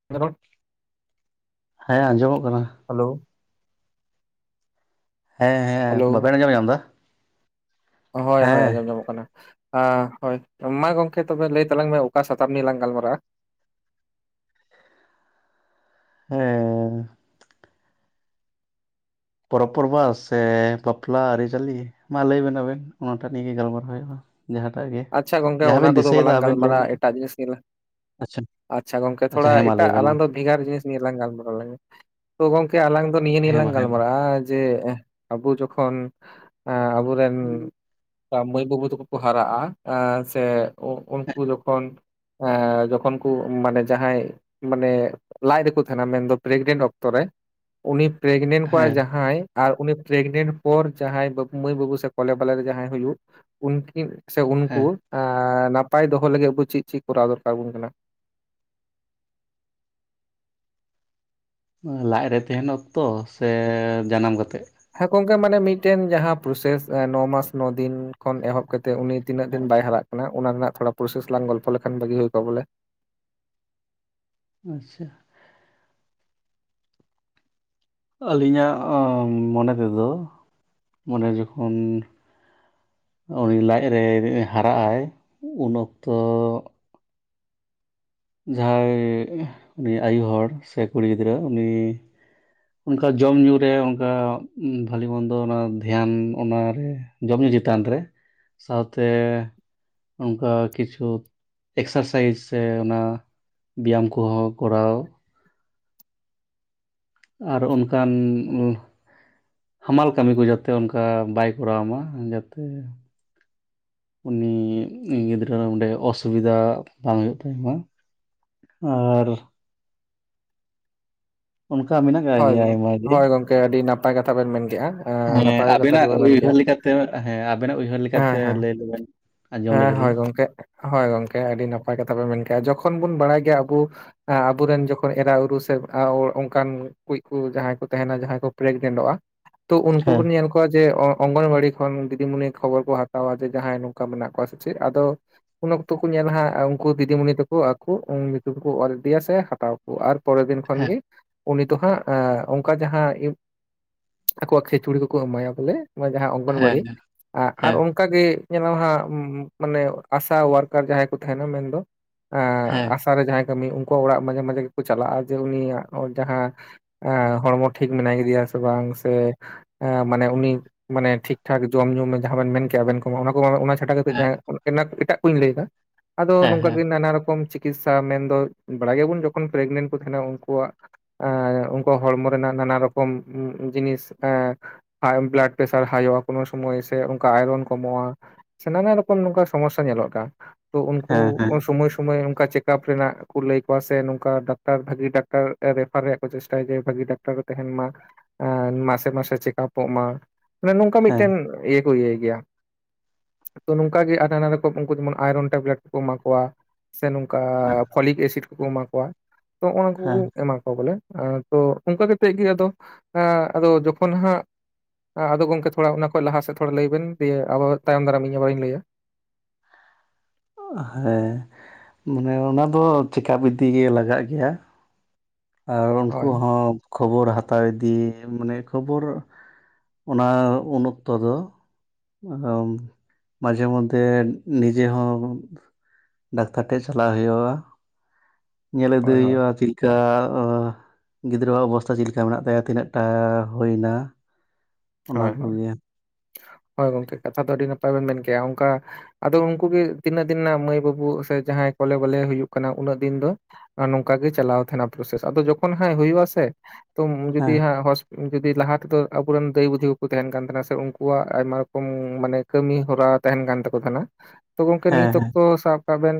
[inaudible] ᱦᱮᱸ ᱟᱸᱡᱚᱢᱚᱜ ᱠᱟᱱᱟ᱾ ᱦᱮᱞᱳ᱾ ᱦᱮᱸ ᱦᱮᱞᱳ ᱦᱮᱸ ᱵᱟᱵᱮᱱ ᱟᱸᱡᱚᱢ ᱧᱟᱢ ᱮᱫᱟ? ᱦᱳᱭ ᱦᱳᱭ ᱦᱮᱸ ᱟᱸᱚᱢ ᱧᱟᱢᱚᱜ ᱠᱟᱱᱟ ᱾ ᱟ ᱦᱳᱭ, ᱢᱟ ᱜᱚᱝᱠᱮ ᱛᱚᱵᱮ ᱞᱟᱹᱭ ᱛᱟᱞᱟᱝ ᱢᱮ ᱚᱠᱟ ᱥᱟᱛᱟᱢ ᱱᱤᱭᱮ ᱞᱟᱝ ᱜᱟᱞᱢᱟᱨᱟᱜᱼᱟ? ᱦᱮᱸᱻ ᱯᱚᱨᱚᱵ ᱯᱚᱨᱵᱟᱥ ᱥᱮ ᱵᱟᱯᱞᱟ ᱟᱹᱨᱤ ᱪᱟᱹᱞᱤ? ᱢᱟ ᱞᱟᱹᱭ ᱵᱮᱱ ᱟᱵᱮᱱ ᱚᱱᱟ ᱴᱟᱜ ᱱᱤᱭᱮ ᱜᱮ ᱜᱟᱞᱢᱟᱨᱟᱣ ᱦᱩᱭᱩᱜᱼᱟ ᱾ ᱟᱪᱪᱷᱟ ᱜᱚᱝᱠᱮ ᱚᱱᱟ ᱠᱚ ᱫᱚ ᱵᱟᱞᱟᱝ ᱟᱵᱮᱱ ᱞᱟᱹᱭ ᱵᱮᱱ ᱜᱟᱞᱢᱟᱨᱟᱣᱟ ᱮᱴᱟᱜ ᱡᱤᱱᱤᱥ ᱜᱮ ᱞᱟᱝᱼᱼ ᱟᱪᱪᱷᱟ ᱟᱪᱪᱷᱟ ᱜᱚᱝᱠᱮ ᱟᱪᱪᱷᱟ ᱛᱷᱚᱲᱟ ᱦᱮᱸ ᱢᱟ ᱞᱟᱹᱭ ᱮᱴᱟᱜ ᱵᱮᱱ ᱢᱟ ᱟᱞᱟᱝ ᱫᱚᱼᱼ ᱵᱷᱮᱜᱟᱨ ᱡᱤᱱᱤᱥ ᱱᱤᱭᱮ ᱞᱟᱝ ᱜᱟᱞᱢᱟᱨᱟᱣ ᱞᱮᱱᱜᱮ ᱾ ᱛᱚ ᱜᱚᱝᱠᱮ ᱟᱞᱟᱝ ᱫᱚ ᱱᱤᱭᱟᱹ ᱱᱤᱭᱮ ᱱᱤᱡᱮ ᱦᱮᱸ ᱢᱟ ᱞᱟᱝ ᱦᱮᱸ ᱢᱟ ᱜᱟᱞᱢᱟᱨᱟᱜᱼᱟᱼᱼ ᱡᱮ ᱟᱵᱩ ᱡᱚᱠᱷᱚᱱ ᱟᱵᱩᱨᱮᱱᱼᱼ ᱢᱟᱹᱭ ᱵᱟᱹᱵᱩ ᱛᱟᱠᱚ ᱠᱚ ᱦᱟᱨᱟᱜᱼᱟ ᱥᱮ ᱩᱱᱠᱩ ᱡᱚᱠᱷᱚᱱᱼᱼ ᱡᱚᱠᱷᱚᱱ ᱠᱩ ᱢᱟᱱᱮ ᱡᱟᱦᱟᱸᱭᱼᱼ ᱢᱟᱱᱮ ᱞᱟᱡ ᱨᱮ ᱠᱚ ᱛᱟᱦᱮᱸᱱᱟ, ᱢᱮᱱᱫᱚ ᱯᱨᱮᱜᱽᱱᱮᱱᱴ ᱚᱠᱛᱚ ᱨᱮᱼᱼ ᱩᱱᱤ ᱯᱨᱮᱜᱽᱱᱮᱱᱴ ᱠᱚᱜᱼᱟᱭ ᱦᱮᱸ ᱡᱟᱦᱟᱸᱭᱼᱼ ᱟᱨ ᱩᱱᱤ ᱯᱨᱮᱜᱽᱱᱮᱱᱴ ᱯᱚᱨ ᱡᱟᱦᱟᱸᱭ ᱢᱟᱹᱭ ᱵᱟᱹᱵᱩ ᱥᱮ ᱠᱚᱞᱮ ᱵᱟᱞᱮ ᱨᱮ ᱡᱟᱸᱦᱟᱭ ᱦᱩᱭᱩᱜᱼᱼ ᱩᱱᱠᱤᱱ ᱥᱮ ᱩᱱᱠᱩ ᱦᱮᱸ ᱱᱟᱯᱟᱭ ᱫᱚᱦᱚ ᱞᱟᱹᱜᱤᱫ ᱟᱵᱩ ᱪᱮᱫ ᱪᱮᱫ ᱠᱚᱨᱟᱣ ᱫᱚᱨᱠᱟᱨ ᱟᱵᱚᱱ ᱠᱟᱱᱟ? ᱞᱟᱡ ᱨᱮ ᱛᱟᱦᱮᱸᱱ ᱚᱠᱛᱚ ᱥᱮ ᱡᱟᱱᱟᱢ ᱠᱟᱛᱮᱜ? ᱦᱮᱸ ᱜᱚᱝᱠᱮ ᱢᱟᱱᱮ ᱢᱤᱫᱴᱮᱱ ᱡᱟᱦᱟᱸ ᱯᱨᱚᱥᱮᱥ ᱱᱚ ᱢᱟᱥ ᱱᱚ ᱫᱤᱱ ᱠᱷᱚᱱ ᱮᱦᱚᱵ ᱠᱟᱛᱮᱜ ᱩᱱᱤᱼᱼ ᱛᱤᱱᱟᱹᱜ ᱫᱤᱱ ᱵᱟᱭ ᱦᱟᱜ ᱠᱟᱱᱟ ᱚᱱᱟ ᱨᱮᱱᱟᱜ ᱛᱷᱚᱲᱟ ᱯᱨᱚᱥᱮᱥ ᱞᱟᱝ ᱜᱚᱞᱯᱷᱚ ᱞᱮᱠᱷᱟᱱ ᱵᱷᱟᱹᱜᱤ ᱦᱩᱭ ᱠᱚᱜᱼᱟ ᱵᱚᱞᱮ ᱾ ᱟᱪᱪᱷᱟ ᱾ ᱟᱹᱞᱤᱧᱟᱜ ᱟᱸ ᱢᱚᱱᱮ ᱛᱮᱫᱚ, ᱢᱟᱱᱮ ᱡᱚᱠᱷᱚᱱ ᱩᱱᱤ ᱞᱟᱡ ᱨᱮ ᱦᱟᱨᱟᱜᱼᱟᱭ ᱩᱱ ᱚᱠᱛᱚ ᱡᱟᱦᱟᱸᱭ ᱩᱱᱤ ᱟᱭᱩ ᱦᱚᱲ ᱥᱮ ᱠᱩᱲᱤ ᱜᱤᱫᱽᱨᱟᱹ ᱩᱱᱤ ᱚᱱᱠᱟ ᱡᱚᱢ ᱧᱩ ᱨᱮ ᱚᱱᱠᱟ ᱵᱷᱟᱞᱤ ᱢᱚᱱᱫᱚ ᱚᱱᱟ ᱫᱷᱮᱭᱟᱱ ᱚᱱᱟᱨᱮ ᱡᱚᱢ ᱧᱩ ᱪᱮᱛᱟᱱ ᱨᱮ ᱥᱟᱶᱛᱮ ᱚᱱᱠᱟ ᱠᱤᱪᱷᱩ ᱮᱠᱥᱟᱨᱥᱟᱭᱤᱡᱽ ᱥᱮ ᱚᱱᱟ ᱵᱮᱭᱟᱢ ᱠᱚᱦᱚᱸ ᱠᱚᱨᱟᱣ ᱟᱨ ᱚᱱᱠᱟᱱ ᱦᱟᱢᱟᱞ ᱠᱟᱹᱢᱤ ᱠᱚ ᱡᱟᱛᱮ ᱚᱱᱠᱟ ᱵᱟᱭ ᱠᱚᱨᱟᱣ ᱢᱟ ᱡᱟᱛᱮ ᱩᱱᱤ ᱩᱱᱤ ᱜᱤᱫᱽᱨᱟᱹ ᱚᱸᱰᱮ ᱚᱥᱩᱵᱤᱫᱷᱟ ᱵᱟᱝ ᱦᱩᱭᱩᱜ ᱛᱟᱭ ᱢᱟ ᱾ ᱟᱨ ᱚᱱᱠᱟ ᱢᱮᱱᱟᱜ ᱜᱮ ᱟᱠᱟᱫ ᱦᱳᱭ, ᱜᱮᱭᱟ ᱟᱭᱢᱟ ᱦᱳᱭ ᱜᱚᱢᱠᱮ ᱟᱹᱰᱤ ᱱᱟᱯᱟᱭ ᱠᱟᱛᱷᱟ ᱵᱮᱱ ᱢᱮᱱ ᱠᱮᱜᱼᱟ ᱾ ᱦᱮᱸ ᱟᱵᱮᱱᱟᱜ ᱩᱭᱦᱟᱹᱨ ᱞᱮᱠᱟᱛᱮ, ᱦᱮᱸ ᱟᱵᱮᱱᱟᱜ ᱩᱭᱦᱟᱹᱨ ᱦᱮᱸ ᱞᱮᱠᱟᱛᱮ ᱦᱮᱸ ᱞᱟᱹᱭ ᱞᱮᱵᱮᱱ ᱾ ᱟᱸᱡᱚᱢ ᱦᱮᱸ ᱞᱮᱜᱮ ᱞᱤᱧ ᱦᱳᱭ ᱾ ᱜᱚᱝᱠᱮ ᱦᱳᱭ ᱜᱚᱢᱠᱮ, ᱟᱹᱰᱤ ᱱᱟᱯᱟᱭ ᱠᱟᱛᱷᱟ ᱵᱮᱱ ᱢᱮᱱᱠᱮᱜᱼᱟ, ᱡᱚᱠᱷᱚᱱ ᱵᱚᱱ ᱵᱟᱲᱟᱭ ᱜᱮᱭᱟ ᱟᱵᱚ ᱟᱵᱚ ᱨᱮᱱ ᱡᱚᱠᱷᱚᱡ ᱮᱨᱟ ᱩᱨᱩ ᱥᱮ ᱟᱨ ᱦᱚᱲ ᱚᱱᱠᱟᱱ ᱠᱩᱡ ᱠᱩ ᱡᱟᱦᱟᱸᱭ ᱠᱩ ᱛᱟᱦᱮᱸᱱᱟ ᱡᱟᱦᱟᱸᱭ ᱠᱚ ᱯᱨᱮᱜᱽᱱᱮᱱᱴᱚᱜᱼᱟ ᱛᱚ ᱩᱱᱠᱩ ᱦᱮᱸ᱾ ᱵᱚᱱ ᱧᱮᱞ ᱠᱚᱣᱟ ᱡᱮ ᱚᱸᱜ ᱚᱝᱜᱚᱱᱵᱟᱲᱤ ᱠᱷᱚᱱ ᱫᱤᱫᱤ ᱢᱩᱱᱤ ᱠᱷᱚᱵᱚᱨ ᱠᱚ ᱦᱟᱛᱟᱣᱟ ᱡᱮ ᱡᱟᱦᱟᱸᱭ ᱱᱚᱝᱠᱟ ᱢᱮᱱᱟᱜ ᱠᱚᱣᱟ ᱥᱮ ᱪᱮᱫ? ᱟᱫᱚ ᱩᱱ ᱚᱠᱛᱚ ᱠᱩ ᱧᱮᱞᱟ ᱦᱟᱸᱜ ᱩᱱᱠᱩ ᱫᱤᱫᱤᱢᱩᱱᱤ ᱛᱟᱠᱩ ᱟᱠᱩ ᱧᱩᱛᱩᱢ ᱠᱚ ᱚᱞ ᱤᱫᱤᱭᱟ ᱥᱮ ᱦᱟᱛᱟᱣ ᱟᱨ ᱯᱚᱨᱮ ᱫᱤᱱ ᱠᱷᱚᱱ ᱦᱮᱸ ᱜᱮ ᱛᱚ ᱦᱟᱸᱜ ᱟᱸ ᱚᱝᱠᱟ ᱡᱟᱦᱟᱸ ᱤᱭᱟᱹ ᱟᱠᱚᱣᱟᱜ ᱠᱷᱤᱪᱩᱲᱤ ᱠᱚ ᱠᱚ ᱮᱢᱟᱭᱟ ᱵᱚᱞᱮ ᱾ ᱱᱚᱜ-ᱚᱭ ᱡᱟᱦᱟᱸ ᱦᱮᱸ ᱚᱝᱜᱚᱱᱵᱟᱲᱤ ᱟᱜ ᱟᱨ ᱚᱱ ᱦᱮᱸ ᱠᱟᱜᱮ ᱧᱮᱞ ᱢᱮ ᱦᱟᱸᱜ ᱢᱟᱱᱮ ᱟᱥᱟ ᱳᱣᱟᱨᱠᱟᱨ ᱡᱟᱦᱟᱸᱭ ᱠᱚ ᱛᱟᱦᱮᱸᱱᱟ ᱢᱮᱱᱫᱚ ᱮᱸ ᱦᱮᱸ ᱟᱥᱟ ᱨᱮ ᱡᱟᱦᱟᱸᱭ ᱠᱟᱹᱢᱤ ᱩᱱᱠᱩ ᱚᱲᱟᱜ ᱢᱟᱡᱷᱮ ᱢᱟᱡᱷᱮ ᱜᱮ ᱠᱚ ᱪᱟᱞᱟᱜᱼᱟ ᱡᱮ ᱩᱱᱤᱭᱟᱜ ᱡᱟᱦᱟᱸ ᱮ ᱦᱚᱲᱢᱚ ᱴᱷᱤᱠ ᱢᱮᱱᱟᱭ ᱠᱮᱫᱤᱭᱟ ᱥᱮ ᱵᱟᱝ ᱥᱮ ᱮᱸᱻ ᱢᱟᱱᱮ ᱩᱱᱤ ᱢᱟᱱᱮ ᱴᱷᱤᱠ ᱴᱷᱟᱠ ᱡᱚᱢ ᱧᱩ ᱡᱟᱦᱟᱸ ᱵᱮᱱ ᱢᱮᱱ ᱠᱮᱼᱟ ᱟᱵᱮᱱ ᱚᱱᱟ ᱚᱱᱟ ᱠᱚ ᱚᱱᱟ ᱪᱷᱟᱰᱟ ᱠᱟᱛᱮ ᱡᱟᱦᱟᱭ ᱚᱱ ᱮᱱᱟᱹ ᱠᱷᱟᱹᱛᱤᱨ ᱮᱴᱟᱜ ᱠᱩᱧ ᱞᱟᱹᱭᱫᱟ ᱟᱫᱚ ᱦᱮᱸ ᱦᱮᱸ ᱱᱚᱝᱠᱟ ᱦᱮᱸ ᱜᱮ ᱱᱟᱱᱟ ᱨᱚᱠᱚᱢ ᱪᱤᱠ ᱠᱤᱥᱥᱟ, ᱢᱮᱱᱫᱚ ᱵᱟᱲᱟᱭ ᱜᱮᱭᱟᱵᱚᱱ ᱡᱚᱠᱷᱚᱱ ᱯᱨᱮᱜᱱᱮᱱᱴ ᱠᱚ ᱛᱟᱦᱮᱸᱱᱟ ᱩᱱᱠᱩᱣᱟᱜ ᱮᱸᱻ ᱩᱱᱠᱩᱣᱟᱜ ᱦᱚᱲᱢᱚ ᱨᱮᱱᱟᱜ ᱱᱟᱱᱟ ᱨᱚᱠᱚᱢ ᱩᱸ ᱡᱤᱱᱤᱥ ᱮ ᱦᱟᱭᱮᱢ ᱵᱞᱟᱰ ᱯᱨᱮᱥᱟᱨ ᱦᱟᱭᱚᱜᱼᱟ ᱠᱚᱱᱳ ᱥᱚᱢᱚᱭ ᱥᱮ ᱚᱱᱠᱟ ᱟᱭᱨᱚᱱ ᱠᱚᱢᱚᱜᱼᱟ ᱥᱟᱱᱟᱢᱟᱜ ᱨᱚᱠᱚᱢ ᱱᱚᱝᱠᱟ ᱥᱚᱢᱚᱥᱥᱟ ᱧᱮᱞᱚᱜ ᱠᱟᱱᱟ ᱛᱚ ᱦᱮᱸ ᱩᱱᱠᱩ ᱦᱮᱸ ᱚᱥᱚᱢᱚᱭ ᱥᱳᱢᱟᱹᱭ ᱚᱱᱠᱟ ᱪᱮᱠᱟᱯ ᱨᱮᱱᱟᱜ ᱠᱩ ᱞᱟᱹᱭ ᱟᱠᱚᱣᱟ ᱥᱮ ᱱᱚᱝᱠᱟ ᱰᱟᱠᱛᱟᱨ ᱵᱷᱟᱜᱤ ᱰᱟᱠᱛᱟᱨ ᱨᱮ [unintelligible] ᱨᱮᱭᱟᱜ ᱠᱚ ᱨᱮᱯᱷᱟᱨ ᱨᱮᱭᱟᱜ ᱠᱚ ᱪᱮᱥᱴᱟᱭᱟ ᱡᱮ ᱵᱷᱟᱜᱤ ᱰᱟᱠᱛᱟᱨ ᱠᱚ ᱛᱟᱦᱮᱱ ᱢᱟ ᱮ ᱢᱟᱥᱮ ᱢᱟᱥᱮ ᱪᱮᱠᱟᱯᱚᱜ ᱢᱟ ᱢᱟᱱᱮ ᱱᱚᱝᱠᱟ ᱦᱮᱸ ᱢᱤᱫᱴᱮᱱ ᱤᱭᱟᱹ ᱠᱚ ᱤᱭᱟᱹᱭ ᱜᱮᱭᱟ᱾ ᱛᱚ ᱱᱚᱝᱠᱟ ᱜᱮ ᱟᱨ ᱱᱟᱱᱟ ᱨᱚᱠᱚᱢ ᱩᱱᱠᱩ ᱡᱮᱢᱚᱱ ᱟᱭᱨᱚᱱ ᱴᱮᱵᱞᱮᱴ ᱠᱚᱠᱚ ᱮᱢᱟ ᱠᱚᱣᱟ᱾ ᱥᱮ ᱱᱚᱝᱠᱟ ᱦᱮᱸ ᱯᱷᱚᱞᱤᱠ ᱮᱥᱤᱰ ᱠᱚᱠᱚ ᱮᱢᱟ ᱠᱚᱣᱟ ᱛᱚ ᱚᱱᱟ ᱠᱩᱠᱩ ᱦᱮᱸ ᱮᱢᱟ ᱠᱚᱣᱟ᱾ ᱵᱚᱞᱮ ᱮᱸᱻ ᱛᱚ ᱚᱱᱠᱟ ᱠᱟᱛᱮᱜ ᱜᱮ ᱟᱫᱚ ᱮᱸ ᱟᱫᱚ ᱡᱚᱠᱷᱚᱱ ᱦᱟᱸᱜ ᱮᱸ ᱟᱫᱚ ᱜᱚᱢᱠᱮ ᱛᱷᱚᱲᱟ ᱚᱱᱟ ᱠᱷᱚᱡ ᱞᱟᱦᱟ ᱥᱮᱫ ᱛᱷᱚᱲᱟ ᱞᱟᱹᱭᱵᱮᱱ ᱫᱤᱭᱟᱹ ᱟᱫᱚ ᱛᱟᱭᱚᱢ ᱫᱟᱨᱟᱢ ᱤᱧ ᱟᱵᱟᱨᱤᱧ ᱞᱟᱹᱭᱟ᱾ ᱳ ᱦᱮᱸ ᱢᱟᱱᱮ ᱚᱱᱟ ᱫᱚ ᱪᱮᱠᱟᱯ ᱤᱫᱤ ᱜᱮ ᱞᱟᱜᱟᱜ ᱜᱮᱭᱟ᱾ ᱟᱨ ᱩᱱᱠᱩ ᱦᱳᱭ ᱦᱚᱸ ᱠᱷᱚᱵᱚᱨ ᱦᱟᱛᱟᱣ ᱤᱫᱤ ᱢᱟᱱᱮ ᱠᱷᱚᱵᱚᱨ ᱚᱱᱟ ᱩᱱ ᱚᱠᱛᱚ ᱫᱚ ᱚ ᱢᱟᱡᱮ ᱢᱚᱫᱽᱫᱷᱮ ᱱᱤᱡᱮ ᱦᱚᱸ ᱰᱟᱠᱛᱟᱨ ᱴᱷᱮᱱ ᱪᱟᱞᱟᱜ ᱦᱳᱭᱳᱜᱼᱟ ᱧᱮᱞ ᱤᱫᱤ ᱦᱳᱭ ᱦᱳᱭ ᱦᱳᱭᱳᱜᱼᱟ ᱪᱮᱫᱞᱮᱠᱟ ᱜᱤᱫᱽᱨᱟᱹᱣᱟᱜ ᱚᱵᱚᱥᱛᱟ ᱪᱮᱫ ᱞᱮᱠᱟ ᱢᱮᱱᱟᱜ ᱛᱟᱭᱟ ᱛᱤᱱᱟᱹᱜ ᱴᱟ ᱦᱩᱭᱱᱟ ᱚᱱᱟ ᱦᱳᱭ ᱦᱳᱭ ᱠᱚᱜᱮ ᱦᱳᱭ ᱜᱚᱢᱠᱮ ᱠᱟᱛᱷᱟ ᱫᱚ ᱟᱹᱰᱤ ᱱᱟᱯᱟᱭ ᱵᱮᱱ ᱢᱮᱱ ᱠᱮᱜᱟ ᱚᱱᱠᱟ ᱟᱫᱚ ᱩᱱᱠᱩ ᱜᱮ ᱛᱤᱱᱟᱹᱜ ᱫᱤᱱ ᱱᱟ ᱢᱟᱹᱭ ᱵᱟᱹᱵᱩ ᱥᱮ ᱡᱟᱦᱟᱸᱭ ᱠᱚᱞᱮ ᱵᱟᱞᱮ ᱦᱩᱭᱩᱜ ᱠᱟᱱᱟ ᱩᱱᱟᱹᱜ ᱫᱤᱱ ᱫᱚ ᱱᱚᱝᱠᱟ ᱜᱮ ᱪᱟᱞᱟᱣ ᱛᱟᱦᱮᱸᱱᱟ ᱯᱨᱚᱥᱮᱥ ᱟᱫᱚ ᱡᱚᱠᱷᱚᱱ ᱦᱟᱸᱜ ᱦᱩᱭᱩᱜ ᱟ ᱥᱮ ᱛᱚ ᱡᱩᱫᱤ ᱦᱮᱸ ᱡᱩᱫᱤ ᱞᱟᱦᱟ ᱛᱮᱫᱚ ᱟᱵᱚᱨᱮᱱ ᱫᱟᱹᱭ ᱵᱩᱫᱷᱤ ᱠᱚ ᱠᱚ ᱛᱟᱦᱮᱱ ᱠᱟᱱ ᱛᱟᱦᱮᱱᱟ ᱥᱮ ᱩᱱᱠᱩᱣᱟᱜ ᱟᱭᱢᱟ ᱨᱚᱠᱚᱢ ᱢᱟᱱᱮ ᱠᱟᱹᱢᱤ ᱦᱚᱨᱟ ᱛᱟᱦᱮᱱ ᱠᱟᱱ ᱛᱟᱠᱚ ᱛᱟᱦᱮᱸᱱᱟ ᱛᱚ ᱜᱚᱢᱠᱮ ᱱᱤᱛ ᱦᱮᱸ ᱦᱮᱸ ᱚᱠᱛᱚ ᱥᱟᱵ ᱵᱮᱱ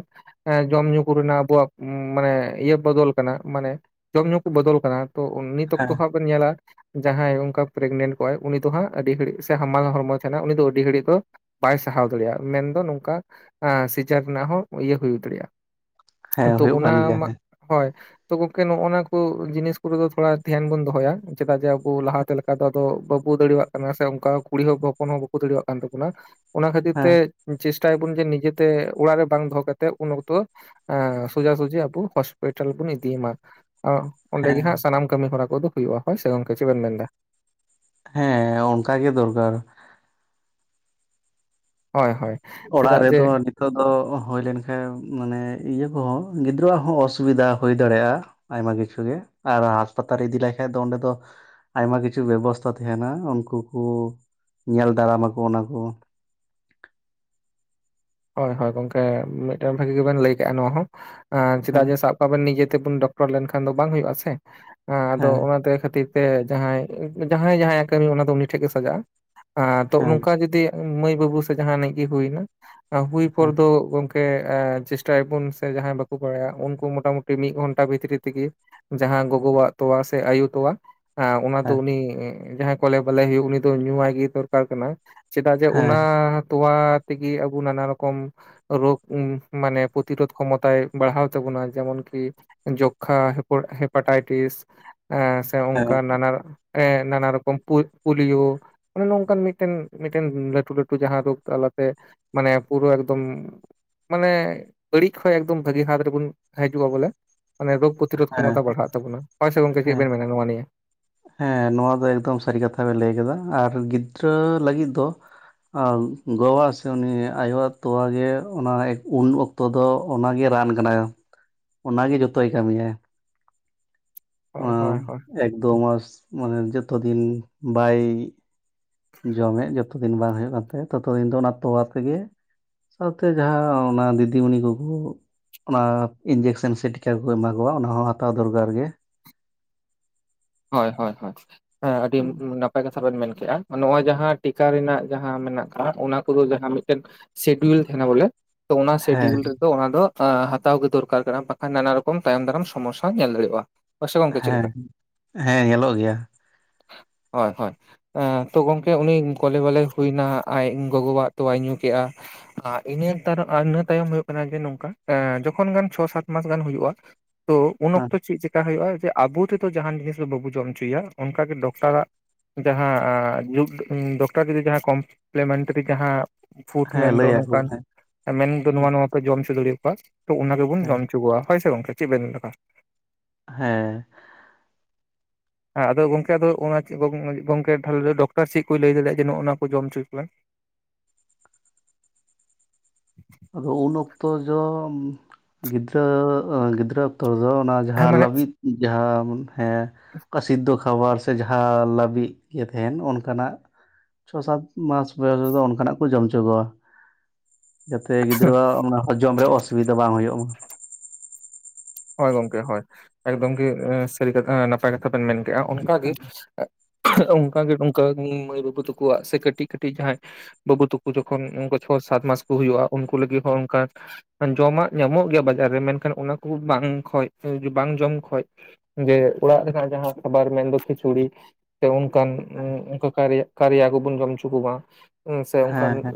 ᱡᱚᱢ ᱧᱩ ᱠᱚᱨᱮᱱᱟᱜ ᱟᱵᱚᱣᱟᱜ ᱢᱟᱱᱮ ᱤᱭᱟᱹ ᱵᱚᱫᱚᱞ ᱠᱟᱱᱟ ᱢᱟᱱᱮ ᱡᱚᱢ ᱧᱩ ᱠᱚ ᱵᱚᱫᱚᱞ ᱠᱟᱱᱟ ᱛᱚ ᱱᱤᱛ ᱚᱠᱛᱚ ᱦᱮᱸ ᱦᱟᱸᱜ ᱵᱮᱱ ᱧᱮᱞᱟ ᱡᱟᱦᱟᱸᱭ ᱚᱱᱠᱟ ᱯᱨᱮᱜᱱᱮᱱᱴ ᱠᱚᱣᱟᱭ ᱩᱱᱤ ᱫᱚ ᱦᱟᱸᱜ ᱟᱹᱰᱤ ᱜᱷᱟᱹᱲᱤᱡ ᱥᱮ ᱦᱟᱢᱟᱞ ᱦᱚᱲᱢᱚ ᱛᱟᱦᱮᱱᱟ ᱩᱱᱤ ᱫᱚ ᱟᱹᱰᱤ ᱜᱷᱟᱹᱲᱤᱡ ᱫᱚ ᱵᱟᱭ ᱥᱟᱦᱟᱣ ᱫᱟᱲᱮᱭᱟᱜᱼᱟ ᱢᱮᱱᱫᱚ ᱱᱚᱝᱠᱟ ᱥᱤᱡᱟᱨ ᱨᱮᱱᱟᱜ ᱦᱚᱸ ᱤᱭᱟᱹ ᱦᱩᱭ ᱫᱟᱲᱮᱭᱟᱜᱼᱟ ᱦᱮᱸ ᱛᱚ ᱦᱩᱭᱩᱜ ᱚᱱᱟ ᱠᱟᱱ ᱜᱮᱭᱟ ᱢᱟ ᱦᱮᱸ ᱦᱳᱭ ᱛᱚ ᱜᱚᱝᱠᱮ ᱱᱚᱜ ᱱᱚᱶᱟ ᱠᱚ ᱡᱤᱱᱤᱥ ᱠᱚᱨᱮ ᱛᱷᱚᱲᱟ ᱫᱷᱮᱭᱟᱱ ᱵᱚᱱ ᱫᱚᱦᱚᱭᱟ ᱪᱮᱫᱟᱜ ᱡᱮ ᱟᱵᱚ ᱞᱟᱦᱟᱛᱮ ᱞᱮᱠᱟ ᱫᱚ ᱟᱫᱚ ᱵᱟᱵᱚ ᱫᱟᱲᱭᱟᱜ ᱠᱟᱱᱟ ᱥᱮ ᱚᱱᱠᱟ ᱠᱩᱲᱤ ᱦᱚ ᱦᱚᱯᱚᱱ ᱦᱚᱸ ᱵᱟᱠᱚ ᱫᱟᱲᱩᱣᱟᱜ ᱠᱟᱱ ᱛᱟᱵᱚᱱᱟ ᱚᱱᱟ ᱠᱷᱟᱹᱛᱤᱨ ᱛᱮ ᱦᱮᱸ ᱪᱮᱥᱴᱟᱭᱟᱵᱚᱱ ᱡᱮ ᱱᱤᱡᱮᱛᱮ ᱚᱲᱟᱜ ᱨᱮ ᱵᱟᱝ ᱫᱚᱦᱚ ᱠᱟᱛᱮᱫ ᱩᱱ ᱚᱠᱛᱚ ᱮ ᱥᱳᱡᱟ ᱥᱩᱡᱷᱤ ᱟᱵᱚ ᱦᱚᱥᱯᱤᱴᱟᱞ ᱵᱚᱱ ᱤᱫᱤᱭᱮᱢᱟ ᱚᱸᱰᱮ ᱜᱮ ᱦᱮᱸ ᱦᱟᱸᱜ ᱥᱟᱱᱟᱢ ᱠᱟᱹᱢᱤ ᱦᱚᱨᱟ ᱠᱚᱫᱚ ᱦᱩᱭᱩᱜᱼᱟ ᱦᱳᱭ ᱥᱮ ᱜᱚᱝᱠᱮ ᱪᱮᱫ ᱵᱮᱱ ᱢᱮᱱ ᱮᱫᱟ ᱦᱮᱸ ᱚᱱᱠᱟ ᱜᱮ ᱫᱚᱨᱠᱟᱨ ᱦᱳᱭ ᱦᱳᱭ ᱚᱲᱟᱜ ᱪᱮᱫᱟᱜ ᱡᱮ ᱨᱮᱫᱚ ᱟᱹᱰᱤ ᱱᱤᱛᱚᱜ ᱫᱚ ᱦᱩᱭ ᱞᱮᱱᱠᱷᱟᱡ ᱢᱟᱱᱮ ᱤᱭᱟᱹ ᱠᱚᱦᱚᱸ ᱜᱤᱫᱽᱨᱟᱹᱣᱟᱜ ᱦᱚᱸ ᱚᱥᱩᱵᱤᱫᱷᱟ ᱦᱳᱭ ᱫᱟᱲᱮᱭᱟᱜᱼᱟ ᱟᱭᱢᱟ ᱠᱤᱪᱷᱩ ᱜᱮ ᱟᱨ ᱦᱟᱸᱥᱯᱟᱛᱟᱞ ᱤᱫᱤ ᱞᱮᱠᱟᱡ ᱫᱚ ᱚᱸᱰᱮ ᱫᱚ ᱟᱭᱢᱟ ᱠᱤᱪᱷᱩ ᱵᱮᱵᱚᱥᱛᱟ ᱛᱟᱦᱮᱱᱟ ᱩᱱᱠᱩ ᱠᱩ ᱧᱮᱞ ᱫᱟᱨᱟᱢᱟᱠᱚ ᱚᱱᱟ ᱠᱚ ᱦᱳᱭ ᱦᱳᱭ ᱜᱚᱝᱠᱮ ᱢᱤᱫᱴᱮᱱ ᱵᱷᱟᱹᱜᱤ ᱜᱮᱵᱮᱱ ᱞᱟᱹᱭ ᱠᱟᱜᱼᱟ ᱱᱚᱣᱟ ᱦᱚᱸ ᱪᱮᱫᱟᱜ ᱦᱮᱸ ᱡᱮ ᱥᱟᱵ ᱟᱵᱮᱱ ᱱᱤᱡᱮ ᱛᱮᱵᱚᱱ ᱰᱚᱠᱴᱚᱨ ᱞᱮᱱᱠᱷᱟᱱ ᱫᱚ ᱵᱟᱝ ᱦᱳᱭᱳᱜᱼᱟ ᱥᱮ ᱟᱫᱚ ᱦᱮᱸ ᱚᱱᱟᱛᱮ ᱠᱷᱟᱹᱛᱤᱨ ᱛᱮ ᱡᱟᱦᱟᱸᱭ ᱡᱟᱦᱟᱸᱭ ᱡᱟᱸᱦᱟᱸᱭᱟᱜ ᱠᱟᱹᱢᱤ ᱚᱱᱟ ᱫᱚ ᱩᱱᱤ ᱴᱷᱮᱡ ᱜᱮ ᱥᱟᱡᱟᱜᱼᱟ ᱛᱚ ᱦᱮᱸ ᱱᱚᱝᱠᱟ ᱡᱩᱫᱤ ᱢᱟᱹᱭ ᱵᱟᱹᱵᱩ ᱥᱮ ᱡᱟᱦᱟᱱᱤᱡ ᱜᱮ ᱦᱩᱭᱱᱟ ᱦᱩᱭ ᱯᱚᱨ ᱦᱮᱸ ᱫᱚ ᱜᱚᱝᱠᱮ ᱠᱮ ᱮ ᱪᱮᱥᱴᱟᱭᱟᱵᱩᱱ ᱥᱮ ᱡᱟᱦᱟᱸᱭ ᱵᱟᱠᱚ ᱵᱟᱲᱟᱭᱟ ᱩᱱᱠᱩ ᱢᱚᱴᱟᱢᱩᱴᱤ ᱢᱤᱫ ᱜᱷᱚᱱᱴᱟ ᱵᱷᱤᱛᱨᱤ ᱛᱮᱜᱮ ᱡᱟᱦᱟᱸ ᱜᱚᱜᱚᱣᱟᱜ ᱛᱚᱣᱟ ᱥᱮ ᱟᱭᱳ ᱛᱚᱣᱟ ᱮᱸ ᱚᱱᱟ ᱫᱚ ᱦᱮᱸ ᱩᱱᱤ ᱡᱟᱦᱟᱸᱭ ᱠᱚᱞᱮ ᱵᱟᱞᱮ ᱦᱩᱭᱩᱜ ᱩᱱᱤ ᱫᱚ ᱧᱩᱣᱟᱭ ᱜᱮ ᱫᱚᱨᱠᱟᱨ ᱠᱟᱱᱟ ᱪᱮᱫᱟᱜ ᱡᱮ ᱚᱱᱟ ᱦᱮᱸ ᱛᱚᱣᱟ ᱛᱮᱜᱮ ᱟᱵᱚ ᱱᱟᱱᱟ ᱨᱚᱠᱚᱢ ᱨᱳᱜᱽ ᱢᱟᱱᱮ ᱯᱨᱚᱛᱤᱨᱳᱫᱷ ᱠᱷᱚᱢᱚᱛᱟᱭ ᱵᱟᱲᱦᱟᱣ ᱛᱟᱵᱚᱱᱟ ᱡᱮᱢᱚᱱ ᱠᱤ ᱡᱚᱠᱠᱷᱟ ᱦᱮᱯᱟᱴᱟᱭᱴᱤᱥ ᱮ ᱥᱮ ᱚᱱᱠᱟ ᱦᱮᱸ ᱱᱟᱱᱟ ᱮ ᱱᱟᱱᱟ ᱨᱚᱠᱚᱢ ᱯᱩ ᱯᱩᱞᱤᱭᱳ ᱚᱱᱮ ᱱᱚᱝᱠᱟᱱ ᱢᱤᱫᱴᱮᱱ ᱢᱤᱫᱴᱮᱱ ᱞᱟᱹᱴᱩ ᱞᱟᱹᱴᱩ ᱡᱟᱦᱟᱸ ᱨᱳᱜᱽ ᱛᱟᱞᱟᱛᱮ ᱢᱟᱱᱮ ᱯᱩᱨᱟᱹ ᱮᱠᱫᱚᱢ ᱢᱟᱱᱮ ᱵᱟᱹᱲᱤᱡ ᱠᱷᱚᱡ ᱮᱠᱫᱚᱢ ᱵᱷᱟᱹᱜᱤ ᱦᱟᱛ ᱨᱮᱵᱩᱱ ᱦᱟᱡᱩᱜᱼᱟ ᱵᱚᱞᱮ ᱢᱟᱱᱮ ᱨᱳᱜ ᱯᱚᱛᱨᱳᱫ ᱦᱮᱸ ᱠᱷᱚᱢᱚᱛᱟ ᱵᱟᱲᱦᱟᱜ ᱛᱟᱵᱚᱱᱟ ᱦᱳᱭ ᱥᱮ ᱜᱚᱝᱠᱮ ᱪᱮᱜ ᱦᱮᱸ ᱵᱮᱱ ᱢᱮᱱᱟ ᱱᱚᱣᱟ ᱱᱤᱭᱟᱹ? ᱦᱮᱸ ᱱᱚᱣᱟ ᱫᱚ ᱮᱠᱫᱚᱢ ᱥᱟᱹᱨᱤ ᱠᱟᱛᱷᱟ ᱵᱮᱱ ᱞᱟᱹᱭ ᱠᱟᱫᱟ ᱟᱨ ᱜᱤᱫᱽᱨᱟᱹ ᱞᱟᱹᱜᱤᱫ ᱫᱚ ᱟ ᱜᱚᱣᱟ ᱥᱮ ᱩᱱᱤ ᱟᱭᱳᱣᱟᱜ ᱛᱚᱣᱟ ᱜᱮ ᱚᱱᱟ ᱮᱠ ᱩᱱ ᱚᱠ ᱛᱚ ᱫᱚ ᱚᱱᱟ ᱜᱤ ᱨᱟᱱ ᱠᱟᱱᱟ ᱚᱱᱟ ᱜᱤ ᱡᱚᱛᱚᱭ ᱠᱟᱹᱢᱤᱭᱟ᱾ ᱦᱳᱭ ᱟᱸ ᱦᱳᱭ ᱦᱳᱭ ᱮᱠ ᱫᱳ ᱢᱟᱥ ᱢᱟᱱᱮ ᱡᱚᱛᱚ ᱫᱤᱱ ᱵᱟᱭ ᱡᱚᱢᱮᱜ ᱡᱚᱛᱚ ᱫᱤᱱ ᱵᱟᱝ ᱦᱩᱭᱩᱜ ᱠᱟᱱ ᱛᱟᱭᱟ ᱛᱚᱛᱚ ᱫᱤᱱ ᱫᱚ ᱚᱱᱟ ᱛᱚᱣᱟ ᱛᱮᱜᱮ ᱥᱟᱶ ᱛᱮ ᱡᱟᱦᱟᱸ ᱚᱱᱟ ᱫᱤᱫᱤᱢᱩᱱᱤ ᱠᱚᱠᱚ ᱚᱱᱟ ᱤᱱᱡᱮᱠᱥᱮᱱ ᱥᱮ ᱴᱤᱠᱟ ᱠᱚᱠᱚ ᱮᱢᱟ ᱠᱚᱣᱟ ᱚᱱᱟ ᱦᱚᱸ ᱦᱟᱛᱟᱣ ᱫᱚᱨᱠᱟᱨ ᱜᱮ᱾ ᱦᱚᱭ ᱦᱚᱭ ᱦᱚᱭ, ᱦᱮᱸ ᱟᱹᱰᱤ ᱱᱟᱯ ᱯᱟᱭ ᱠᱟᱛᱷᱟ ᱵᱮᱱ ᱢᱮᱱ ᱠᱮᱜ-ᱟ, ᱢᱟᱱᱮ ᱱᱚᱜ-ᱚᱭ ᱡᱟᱦᱟᱸ ᱴᱤᱠᱟ ᱨᱮᱱᱟᱜ ᱡᱟᱦᱟᱸ ᱢᱮᱱᱟᱜ ᱠᱟᱫ ᱚᱱᱟ ᱠᱚᱫᱚ ᱡᱟᱦᱟᱸ ᱢᱤᱫᱴᱮᱱ ᱥᱤᱰᱤᱭᱩᱞ ᱛᱟᱦᱮᱱᱟ ᱵᱚᱞᱮ, ᱛᱚ ᱚᱱᱟ ᱦᱮᱸ ᱥᱤᱰᱤᱭᱩᱞ ᱨᱮᱫᱚ ᱚᱱᱟ ᱫᱚ ᱟᱸᱻ ᱦᱟᱛᱟᱣ ᱜᱮ ᱫᱚᱨᱠᱟᱨ ᱠᱟᱱᱟ ᱵᱟᱠᱷᱟᱱ ᱱᱟᱱᱟ ᱨᱚᱠᱚᱢ ᱛᱟᱭᱚᱢ ᱫᱟᱨᱟᱢ ᱥᱚᱢᱚᱥᱥᱟ ᱧᱮᱞ ᱫᱟᱲᱮᱣᱟᱜ-ᱟ᱾ ᱦᱮᱸ, ᱦᱮᱸ ᱧᱮᱞᱚᱜ ᱜᱮᱭᱟ᱾ ᱦᱚᱭ ᱦᱚᱭ᱾ ᱮᱸ, ᱛᱚ ᱜᱚᱝᱠᱮ ᱩᱱᱤ ᱠᱚᱞᱮ ᱵᱟᱞᱮᱭ ᱦᱩᱭᱱᱟ ᱟᱡ ᱜᱚᱜᱚᱣᱟᱜ ᱛᱚᱣᱟᱭ ᱧᱩ ᱠᱮᱜ-ᱟ᱾ ᱟᱸ, ᱤᱱᱟᱹ ᱛᱟᱨ ᱤᱱᱟᱹ ᱛᱟᱭᱚᱢ ᱦᱩᱭᱩᱜ ᱠᱟᱱᱟ ᱡᱮ ᱱᱚᱝᱠᱟ, ᱮᱸ ᱡᱚᱠᱷᱚᱱ ᱜᱟᱱ ᱪᱷᱚ ᱥᱟᱛ ᱢᱟᱥ ᱜᱟᱱ ᱦᱩᱭᱩᱜ-ᱟ ᱛᱚ ᱩᱱ ᱦᱮᱸ ᱚᱠᱛᱚ ᱪᱮᱫ ᱪᱮᱠᱟ ᱦᱩᱭᱩᱜ-ᱟ ᱡᱮ ᱟᱵᱚ ᱛᱮᱫᱚ ᱡᱟᱦᱟᱱ ᱡᱤᱱᱤᱥ ᱫᱚ ᱵᱟᱹᱵᱩ ᱡᱚᱢ ᱚᱪᱚᱭᱮᱭᱟ, ᱚᱱᱠᱟ ᱜᱮ ᱰᱚᱠᱴᱟᱨᱟᱜ ᱡᱟᱦᱟᱸ ᱟᱸᱻ ᱡᱩᱜᱽ ᱩᱸ ᱰᱚᱠᱴᱚᱨ ᱡᱩᱫᱤ ᱡᱟᱦᱟᱸ ᱠᱚᱢᱯᱞᱮᱢᱮᱱᱴᱟᱨᱤ ᱡᱟᱦᱟᱸ ᱯᱷᱩᱴ ᱦᱮᱸ ᱢᱮᱱ ᱫᱚ ᱞᱟᱹᱭ ᱟᱠᱚ ᱱᱚᱝᱠᱟᱱ ᱦᱮᱸ ᱢᱮᱱ ᱫᱚ ᱱᱚᱣᱟ ᱱᱚᱣᱟ ᱠᱚ ᱡᱚᱢ ᱚᱪᱚ ᱫᱟᱲᱤᱭᱟ ᱠᱚᱣᱟ, ᱛᱚ ᱚᱱᱟ ᱜᱮᱵᱚᱱ ᱡᱚᱢ ᱚᱪᱚ ᱠᱚᱣᱟ᱾ ᱦᱳᱭ ᱥᱮ ᱜᱚᱝᱠᱮ ᱪᱮᱫ ᱵᱮᱱ ᱰᱟᱠᱟ? ᱦᱮᱸ᱾ ᱦᱮᱸ ᱟᱫᱚ ᱜᱚᱝᱠᱮ ᱟᱫᱚ ᱦᱚᱸᱜ-ᱚᱱᱟ ᱪᱮᱜ ᱠᱚ ᱵᱮᱱ ᱞᱟᱹᱜᱤᱫ ᱜᱚᱝᱠᱮ ᱛᱟᱞᱦᱮ ᱞᱟᱹᱭ ᱰᱚᱠᱴᱚᱨ ᱪᱤᱜ ᱠᱚᱭ ᱞᱟᱹᱭ ᱫᱟᱲᱮᱭᱟᱜ-ᱟ ᱡᱮ ᱱᱚᱜ-ᱚᱱᱟ ᱠᱚ ᱡᱚᱢ ᱚᱪᱚᱭ ᱠᱚ ᱵᱮᱱ? ᱟᱫᱚ ᱩᱱ ᱚᱠᱛᱚ ᱡᱚᱢ ᱜᱤᱫᱽᱨᱟᱹ ᱜᱤᱫᱽᱨᱟᱹ ᱚᱠᱛᱚ ᱫᱚ ᱚᱱᱟ ᱦᱮᱸ ᱡᱟᱦᱟᱸ ᱢᱟᱱᱮ ᱞᱟᱹᱵᱤᱫ ᱡᱟᱦᱟᱸ ᱦᱮᱸ ᱚᱠᱟ ᱥᱤᱫᱽᱫᱚ ᱠᱷᱟᱵᱟᱨ ᱥᱮ ᱡᱟᱦᱟᱸ ᱞᱟᱹᱵᱤᱫ ᱜᱮ ᱛᱟᱦᱮᱱ ᱚᱱᱠᱟᱱᱟᱜ ᱪᱷᱚ ᱥᱟᱛ ᱢᱟᱥ ᱵᱚᱭᱚᱥ ᱨᱮᱫᱚ ᱚᱱᱠᱟᱱᱟᱜ ᱠᱚ ᱡᱚᱢ ᱦᱚᱪᱚ ᱠᱚᱣᱟ᱾ ᱡᱟᱛᱮ ᱜᱤᱫᱽᱨᱟᱹᱣᱟᱜ ᱚᱱᱟ ᱦᱚᱡᱚᱢ ᱨᱮ ᱚᱥᱩᱵᱤᱫᱟ ᱵᱟᱝ ᱦᱩᱭᱩᱜ ᱢᱟ᱾ ᱦᱳᱭ ᱜᱚᱝᱠᱮ ᱦᱳᱭ, ᱮᱠᱫᱚᱢ ᱜᱮ ᱥᱟᱹᱨᱤ ᱠᱟᱛᱷᱟ ᱱᱟᱯᱟᱭ ᱠᱟᱛᱷᱟ ᱵᱮᱱ ᱢᱮᱱ ᱠᱮᱜ-ᱟ ᱚᱱᱠᱟ ᱜᱮ ᱚᱝᱠᱟ ᱜᱮ ᱚᱝᱠᱟ ᱜᱚᱢᱠᱮ, ᱩᱸ ᱢᱟᱹᱭ ᱵᱟᱹᱵᱩ ᱛᱟᱠᱚᱣᱟᱜ ᱥᱮ ᱠᱟᱹᱴᱤᱡ ᱠᱟᱹᱴᱤᱡ ᱡᱟᱦᱟᱸᱭ ᱵᱟᱹᱵᱩ ᱛᱟᱠᱩ ᱡᱚᱠᱷᱚᱱ ᱚᱝᱠᱟ ᱪᱷᱚ ᱥᱟᱛ ᱢᱟᱥ ᱠᱚ ᱦᱩᱭᱩᱜ-ᱟ ᱩᱱᱠᱩ ᱞᱟᱹᱜᱤᱫ ᱦᱚᱸ ᱚᱝᱠᱟ ᱡᱚᱢᱟᱜ ᱧᱟᱢᱚᱜ ᱜᱮᱭᱟ ᱵᱟᱡᱟᱨ ᱨᱮ ᱢᱮᱱᱠᱷᱟᱱ ᱚᱱᱟ ᱠᱩ ᱵᱟᱝ ᱠᱷᱚᱡ, ᱵᱟᱝ ᱡᱚᱢ ᱠᱷᱚᱡ ᱡᱮ ᱚᱲᱟᱜ ᱨᱮᱱᱟᱜ ᱡᱟᱦᱟᱸ ᱠᱷᱟᱵᱟᱨ ᱢᱮᱱᱫᱚ ᱠᱷᱤᱪᱩᱲᱤ ᱥᱮ ᱩᱱ ᱠᱟᱱ ᱩᱸ ᱚᱱᱠᱟ ᱠᱟᱨᱭᱟ ᱠᱟᱨᱭᱟ ᱠᱩᱵᱩᱱ ᱡᱚᱢ ᱚᱪᱚ ᱠᱩᱢᱟ ᱩᱸ ᱥᱮ ᱚᱝᱠᱟᱱ ᱦᱮᱸ ᱦᱮᱸ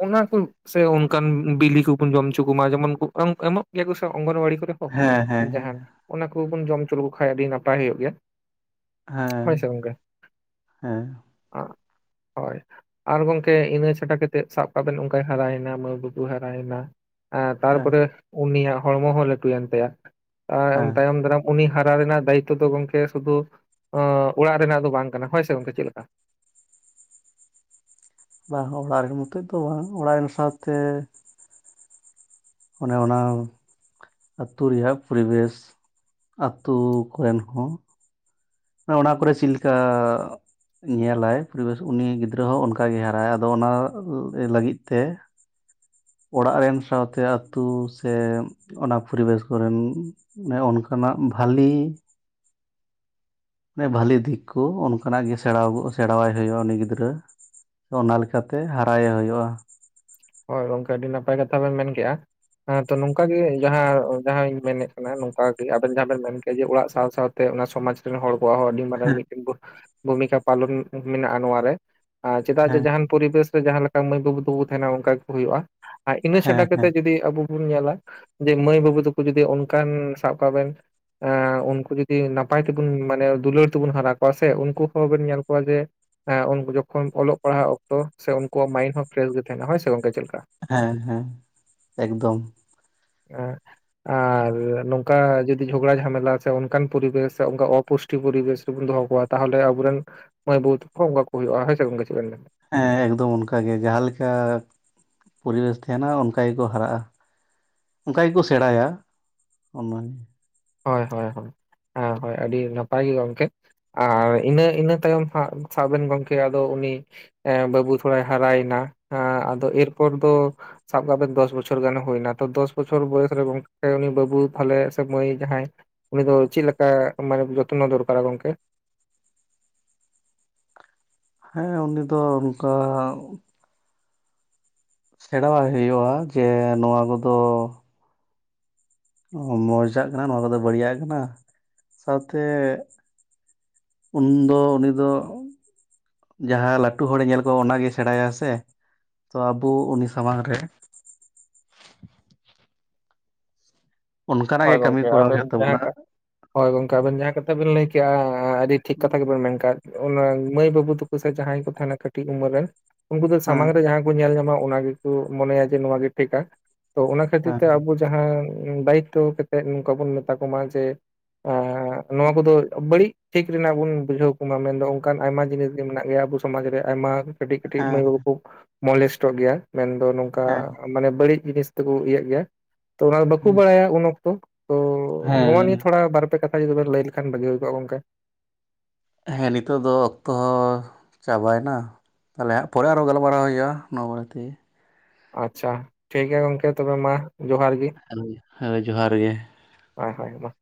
ᱚᱱᱟ ᱠᱩᱵ ᱥᱮ ᱚᱱᱠᱟᱱ ᱵᱤᱞᱤ ᱠᱩᱵᱩᱱ ᱡᱚᱢ ᱩᱪᱩ ᱠᱚᱢᱟ ᱡᱮᱢᱚᱱ ᱠᱩᱵ ᱮᱢᱼᱮᱢᱚᱜ ᱜᱮᱭᱟ ᱠᱩ ᱥᱮ ᱚᱝᱜᱚᱱᱣᱟᱲᱤ ᱠᱚᱨᱮ᱾ ᱚ ᱦᱮᱸ ᱦᱮᱸ ᱦᱮᱸ ᱡᱟᱦᱟᱱ ᱚᱱᱟ ᱠᱩᱵᱩᱱ ᱡᱚᱢ ᱦᱚᱪᱚ ᱞᱮᱠᱚ ᱠᱷᱟᱡ ᱟᱹᱰᱤ ᱱᱟᱯᱟᱭ ᱦᱩᱭᱩᱜ ᱜᱮᱭᱟ᱾ ᱦᱮᱸ ᱦᱳᱭ ᱥᱮ ᱜᱚᱝᱠᱮ, ᱦᱮᱸ ᱟᱸᱜ ᱦᱳᱭ᱾ ᱟᱨ ᱜᱚᱝᱠᱮ ᱤᱱᱟᱹ ᱪᱷᱟᱰᱟ ᱠᱟᱛᱮᱫ ᱥᱟᱵ ᱠᱟᱜ ᱵᱮᱱ ᱚᱝᱠᱟᱭ ᱦᱟᱨᱟᱭᱮᱱᱟ, ᱢᱟᱹᱭ ᱵᱟᱹᱵᱩ ᱦᱟᱨᱟᱭᱮᱱᱟ᱾ ᱟᱻ ᱦᱮᱸ ᱛᱟᱨᱯᱚᱨᱮ ᱩᱱᱤᱭᱟᱜ ᱦᱚᱲᱢᱚ ᱦᱚᱸ ᱞᱟᱹᱴᱩᱭᱮᱱ ᱛᱟᱭᱟ, ᱟᱻ ᱩᱱ ᱦᱮᱸ ᱛᱟᱭᱚᱢ ᱫᱟᱨᱟᱢ ᱩᱱᱤ ᱦᱟᱨᱟ ᱨᱮᱱᱟᱜ ᱫᱟᱭᱤᱛᱛᱚ ᱫᱚ ᱜᱚᱝᱠᱮ ᱥᱩᱫᱩ ᱚᱸ ᱚᱲᱟᱜ ᱨᱮᱱᱟᱜ ᱫᱚ ᱵᱟᱝ ᱠᱟᱱᱟ᱾ ᱦᱳᱭ ᱥᱮ ᱜᱚᱝᱠᱮ ᱪᱮᱫ ᱞᱮᱠᱟ? ᱵᱟᱦᱚᱸ ᱚᱲᱟᱜ ᱨᱮᱱ ᱢᱚᱛᱚᱡ ᱫᱚ ᱵᱟᱝ, ᱚᱲᱟᱜ ᱨᱮᱱ ᱥᱟᱶ ᱛᱮ ᱚᱱᱮ ᱚᱱᱟᱢ ᱟᱛᱩ ᱨᱮᱭᱟᱜ ᱯᱚᱨᱤᱵᱮᱥ, ᱟᱛᱩ ᱠᱚᱨᱮᱱ ᱦᱚᱸ ᱚᱱᱮ ᱚᱱᱟ ᱠᱚᱨᱮ ᱪᱤᱫᱞᱮᱠᱟᱲ ᱧᱮᱞᱟᱭ ᱯᱚᱨᱤᱵᱮᱥ ᱩᱱᱤ ᱜᱤᱫᱽᱨᱟᱹ ᱦᱚᱸ ᱚᱱᱠᱟ ᱜᱮ ᱦᱟᱨᱟᱜ-ᱟᱭ᱾ ᱟᱫᱚ ᱚᱱᱟ ᱞᱟᱹᱜᱤᱫ ᱛᱮ ᱚᱲᱟᱜ ᱨᱮᱱ ᱥᱟᱶᱛᱮ ᱟᱛᱩ ᱥᱮ ᱚᱱᱟ ᱯᱚᱨᱤᱵᱮᱥ ᱠᱚᱨᱮᱱ ᱦᱮᱸ ᱩᱱ ᱠᱷᱚᱱᱟᱜ ᱵᱷᱟᱞᱤ ᱦᱮᱸ ᱵᱷᱟᱞᱤ ᱫᱤᱠ ᱠᱩ ᱩᱱᱠᱷᱚᱱᱟᱜ ᱜᱤ ᱥᱮᱬᱟ ᱟᱵᱩ, ᱥᱮᱬᱟᱣᱟᱭ ᱦᱩᱭᱩᱜ-ᱟ ᱩᱱᱤ ᱜᱤᱫᱽᱨᱟᱹ᱾ ᱛᱚ ᱚᱱᱟ ᱞᱮᱠᱟ ᱛᱮ ᱦᱟᱨᱟᱭᱮ ᱦᱩᱭᱩᱜ-ᱟ᱾ ᱦᱳᱭ ᱜᱚᱝᱠᱮ ᱟᱹᱰᱤ ᱱᱟᱯᱟᱭ ᱠᱟᱛᱷᱟ ᱵᱮᱱ ᱢᱮᱱ ᱠᱮᱜ-ᱟ ᱦᱮᱸᱛᱚ ᱱᱚᱝᱠᱟ ᱜᱮ ᱡᱟᱦᱟᱸ ᱡᱟᱦᱟᱸᱧ ᱢᱮᱱᱮᱫ ᱠᱟᱱᱟ ᱱᱚᱝᱠᱟ ᱜᱮ, ᱟᱵᱮᱱ ᱡᱟᱦᱟᱸ ᱵᱮᱱ ᱢᱮᱱ ᱠᱮᱜ ᱡᱮ ᱚᱲᱟᱜ ᱥᱟᱶ ᱥᱟᱶᱛᱮ ᱚᱱᱟ ᱥᱚᱢᱟᱡᱽ ᱨᱮᱱ ᱦᱚᱲ ᱠᱚᱣᱟᱜ ᱦᱚᱸ ᱟᱹᱰᱤ ᱢᱟᱨᱟᱝ ᱢᱤᱫᱴᱮᱱ ᱵᱷᱩᱢᱤᱠᱟ ᱯᱟᱞᱚᱱ ᱢᱤᱱᱟᱜ-ᱟ ᱱᱚᱣᱟᱨ ᱨᱮ᱾ ᱟᱸ ᱪᱮᱫᱟᱜ ᱡᱮ ᱦᱮᱸ ᱡᱟᱦᱟᱸᱱ ᱯᱚᱨᱤᱵᱮᱥ ᱨᱮ ᱡᱟᱦᱟᱸ ᱞᱮᱠᱟ ᱢᱟᱹᱭ ᱵᱟᱹᱵᱩ ᱛᱟᱠᱚ ᱵᱚ ᱛᱟᱦᱮᱸᱱᱟ ᱚᱱᱠᱟ ᱜᱮᱠᱚ ᱦᱳᱭᱳᱜᱼᱟ᱾ ᱟᱡ ᱤᱱᱟᱹ ᱪᱷᱟᱰᱟ ᱦᱮᱸ ᱦᱮᱸ ᱦᱮᱸ ᱠᱟᱛᱮᱫ ᱡᱩᱫᱤ ᱟᱵᱚ ᱵᱩᱱ ᱧᱮᱞᱟ, ᱡᱮ ᱢᱟᱹᱭ ᱵᱟᱹᱵᱩ ᱛᱟᱠᱚ ᱡᱩᱫᱤ ᱚᱱᱠᱟᱱ ᱥᱟᱵ ᱠᱟᱜ ᱵᱮᱱ ᱮᱸ ᱩᱱᱠᱩ ᱡᱩᱫᱤ ᱱᱟᱯᱟᱭ ᱛᱮᱵᱚᱱ ᱢᱟᱱᱮ ᱫᱩᱞᱟᱹᱲ ᱛᱮᱵᱚᱱ ᱦᱟᱨᱟ ᱠᱚᱣᱟ ᱥᱮ ᱩᱱᱠᱩ ᱦᱚᱸ ᱵᱮᱱ ᱧᱮᱞ ᱠᱚᱣᱟ ᱡᱮ ᱮᱸ ᱩᱱᱠᱩ ᱡᱚᱠᱷᱚᱱ ᱚᱞᱚᱜ ᱯᱟᱲᱦᱟᱜ ᱚᱠᱛᱚ ᱥᱮ ᱩᱱᱠᱩᱣᱟᱜ ᱢᱟᱭᱤᱱ ᱦᱚᱸ ᱯᱷᱨᱮᱥ ᱜᱮ ᱛᱟᱦᱮᱸᱱᱟ, ᱦᱳᱭ ᱥᱮ ᱜᱚᱝᱠᱮ ᱪᱮᱫ ᱞᱮᱠᱟ? ᱦᱮᱸ ᱦᱮᱸ, ᱮᱠᱫᱚᱢ᱾ [unintelligible] ᱟᱨ ᱱᱚᱝᱠᱟ ᱡᱩᱫᱤ ᱡᱷᱚᱜᱽᱲᱟ ᱡᱷᱟᱢᱮᱞᱟ ᱥᱮ ᱚᱱᱠᱟᱱ ᱯᱚᱨᱤᱵᱮᱥ ᱥᱮ ᱚᱝᱠᱟ ᱚᱯᱩᱥ ᱴᱤ ᱯᱚᱨᱤᱵᱮᱥ ᱨᱮᱵᱚᱱ ᱫᱚᱦᱚ ᱠᱚᱣᱟ ᱛᱟᱦᱚᱞᱮ ᱟᱹᱵᱩ ᱨᱮᱱ ᱢᱟᱹᱭ ᱵᱟᱹᱵᱩ ᱛᱟᱠᱚ ᱚᱝᱠᱟ ᱠᱚ ᱦᱩᱭᱩᱜᱼᱟ, ᱦᱳᱭ ᱥᱮ ᱜᱚᱝᱠᱮ ᱪᱮᱫ ᱵᱮᱱ ᱢᱮᱱᱫᱟ? ᱦᱮᱸ ᱮᱠᱫᱚᱢ ᱚᱱᱠᱟ ᱜᱮ ᱡᱟᱦᱟᱸ, ᱞᱮᱠᱟ ᱯᱚᱨᱤᱵᱮᱥ ᱛᱟᱦᱮᱸᱱᱟ ᱚᱱᱠᱟ ᱜᱮᱠᱚ ᱦᱟᱨᱟᱜᱼᱟ᱾ ᱚᱱᱠᱟ ᱜᱤᱠᱚ ᱥᱮᱬᱟᱭᱟ, ᱚᱱᱟᱜᱮ᱾ ᱦᱳᱭ ᱦᱳᱭ ᱦᱳᱭ, ᱦᱮᱸ ᱦᱳᱭ ᱟᱹᱰᱤ ᱱᱟᱯᱟᱭ ᱜᱮ‌ ᱜᱚᱝᱠᱮ᱾ ᱟᱨ ᱤᱱᱟᱹ ᱤᱱᱟᱹ ᱛᱟᱭᱚᱢ ᱦᱟᱸᱜ ᱥᱟᱵ ᱵᱮᱱ ᱜᱚᱝᱠᱮ ᱟᱫᱚ ᱩᱱᱤ ᱮᱸ ᱵᱟᱹᱵᱩ ᱛᱷᱚᱲᱟᱭ ᱦᱟᱨᱟᱭᱮᱱᱟ ᱟᱸ ᱟᱫᱚ ᱮᱨᱯᱚᱨ ᱫᱚ ᱥᱟᱵ ᱠᱟᱜ ᱵᱮᱱ ᱫᱚᱥ ᱵᱚᱪᱷᱚᱨ ᱜᱟᱱᱮ ᱦᱳᱭᱱᱟ, ᱛᱚ ᱫᱚᱥ ᱵᱚᱪᱷᱚᱨ ᱵᱚᱭᱮᱥ ᱨᱮ ᱜᱚᱝᱠᱮ ᱩᱱᱤ ᱵᱟᱹᱵᱩ ᱛᱟᱦᱚᱞᱮ ᱥᱮ ᱢᱟᱹᱭ ᱡᱟᱦᱟᱸᱭ ᱩᱱᱤ ᱫᱚ ᱪᱮᱜ ᱞᱮᱠᱟ ᱢᱟᱱᱮ ᱡᱚᱛᱱᱚ ᱫᱚᱨᱠᱟᱨᱟ ᱜᱚᱝᱠᱮ? ᱦᱮᱸ ᱩᱱᱤ ᱫᱚ ᱚᱱᱠᱟ ᱥᱮᱸᱬᱟᱣᱟᱭ ᱦᱳᱭᱳᱜᱼᱟ ᱡᱮ ᱱᱚᱣᱟ ᱠᱚᱫᱚ ᱢᱚᱸᱡᱟᱜ ᱠᱟᱱᱟ ᱱᱚᱣᱟ ᱠᱚᱫᱚ ᱵᱟᱹᱲᱤᱭᱟᱜ ᱠᱟᱱᱟ, ᱥᱟᱶᱛᱮ ᱩᱱ ᱫᱚ ᱩᱱᱤ ᱫᱚ ᱡᱟᱦᱟᱸ ᱞᱟᱹᱴᱩ ᱦᱚᱲᱮ ᱧᱮᱞ ᱠᱚᱣᱟ ᱚᱱᱟᱜᱮ ᱥᱮᱸᱬᱟᱭᱟ ᱥᱮ ᱛᱚ ᱟᱵᱩ ᱩᱱᱤ ᱥᱟᱢᱟᱝ ᱨᱮ ᱚᱱᱠᱟᱱᱟᱜ ᱦᱳᱭ ᱜᱮ ᱠᱟᱹᱢᱤ ᱜᱚᱢᱠᱝᱮ ᱠᱚᱨᱟᱣ ᱟᱵᱮᱱ ᱦᱩᱭᱩᱜ ᱡᱟᱦᱟᱸ ᱛᱟᱵᱚᱱᱟ ᱠᱟ ᱦᱳᱭ ᱜᱚᱝᱠᱮ ᱟᱵᱮᱱ ᱡᱟᱦᱟᱸ ᱠᱟᱛᱷᱟ ᱵᱮᱱ ᱞᱟᱹᱭ ᱠᱮᱜᱼᱟ ᱟᱹᱰᱤ ᱴᱷᱤᱠ ᱠᱟᱛᱷᱟ ᱜᱮᱵ ᱮᱱ ᱢᱮᱱ ᱠᱟᱫ᱾ ᱚᱱᱟ ᱢᱟᱹᱭ ᱵᱟᱹᱵᱩ ᱛᱟᱠᱚ ᱥᱮ ᱡᱟᱦᱟᱸᱭ ᱠᱚ ᱛᱟᱦᱮᱸᱱᱟ ᱠᱟᱹᱴᱤᱡ ᱩᱢᱟᱹᱨ ᱨᱮᱱ ᱩᱝᱠᱩ ᱫᱚ ᱥᱟᱢᱟᱝ ᱦᱮᱸ ᱨᱮ ᱡᱟᱦᱟᱸ ᱠᱚ ᱧᱮᱞ ᱧᱟᱢᱟ ᱚᱱᱟ ᱜᱮᱠᱩ ᱢᱚᱱᱮᱭᱟ ᱡᱮ ᱱᱚᱣᱟ ᱜᱮ ᱴᱷᱤᱠᱟ ᱛᱚ ᱚᱱᱟ ᱠᱷᱟᱹᱛᱤᱨ ᱦᱮᱸ ᱛᱮ ᱟᱵᱳ ᱡᱟᱦᱟᱸ ᱫᱟᱭᱤᱛᱛᱚ ᱠᱟᱛᱮᱫ ᱱᱚᱝᱠᱟ ᱵᱚᱱ ᱢᱮᱛᱟ ᱠᱚᱢᱟ ᱡᱮ ᱮᱸᱻ ᱱᱚᱣᱟ ᱠᱚᱫᱚ ᱵᱟᱹᱲᱤᱡ ᱴᱷᱤᱠ ᱨᱮᱱᱟᱜ ᱵᱩᱱ ᱵᱩᱡᱷᱟᱹᱣ ᱠᱩᱢᱟ ᱢᱮᱱᱫᱚ ᱚᱝᱠᱟᱱ ᱟᱭᱢᱟ ᱡᱤᱱᱤᱥ ᱜᱮ ᱢᱮᱱᱟᱜ ᱜᱮᱭᱟ ᱟᱵᱚ ᱥᱚᱢᱟᱡᱽ ᱨᱮ ᱟᱭᱢᱟ ᱠᱟᱹᱴᱤᱡ ᱠᱟᱹᱴᱤᱡ ᱦᱮᱸ ᱢᱟᱹᱭ ᱵᱟᱹᱵᱩ ᱠᱚ ᱢᱚᱞᱮᱥᱴᱼᱚᱜ ᱜᱮᱭᱟ ᱢᱮᱱᱫᱚ ᱦᱮᱸ ᱱᱚᱝᱠᱟ ᱢᱟᱱᱮ ᱵᱟᱹᱲᱤᱡ ᱡᱤᱱᱤᱥ ᱛᱮᱠᱚ ᱤᱭᱟᱹᱜ ᱜᱮᱭᱟ ᱛᱚ ᱚᱱᱟ ᱫᱚ ᱵᱟᱹᱠᱩ ᱦᱮᱸ ᱵᱟᱲᱟᱭᱟ ᱩᱱ ᱚᱠᱛᱚ, ᱛᱚ ᱱᱚᱣᱟ ᱦᱮᱸ ᱱᱤᱭᱟᱹ ᱛᱷᱚᱲᱟ ᱵᱟᱨᱯᱮ ᱠᱟᱛᱷᱟ ᱡᱩᱫᱤ ᱵᱮᱱ ᱞᱟᱹᱭ ᱞᱮᱠᱷᱟᱱ ᱵᱷᱟᱹᱜᱤ ᱦᱩᱭ ᱠᱚᱜᱼᱟ ᱜᱚᱝᱠᱮ᱾ ᱦᱮᱸ ᱱᱤᱛᱚᱜ ᱫᱚ ᱚᱠᱛᱚ ᱦᱚᱸ ᱪᱟᱵᱟᱭᱱᱟ, ᱛᱟᱦᱚᱞᱮ ᱦᱟᱸᱜ ᱯᱚᱨᱮ ᱟᱨᱚ ᱜᱟᱞᱢᱟᱨᱟᱣ ᱦᱳᱭᱳᱜᱼᱟ ᱱᱚᱣᱟ ᱵᱟᱨᱮ ᱛᱮᱜᱮ᱾ ᱟᱪᱪᱷᱟ, ᱴᱷᱤᱠ ᱜᱮᱭᱟ ᱜᱚᱝᱠᱮ ᱛᱚᱵᱮ ᱢᱟ᱾ ᱡᱚᱦᱟᱨ ᱜᱮ ᱦᱮᱞᱳᱣ᱾ ᱦᱳᱭ ᱡᱚᱦᱟᱨ ᱜᱮ᱾ ᱦᱳᱭ ᱦᱳᱭ ᱢᱟ᱾